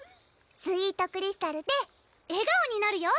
「スイートクリスタル」で笑顔になるよ！